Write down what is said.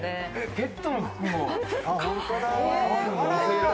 ペットの服も。